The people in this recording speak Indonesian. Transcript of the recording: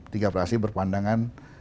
tiga fraksi berpandangan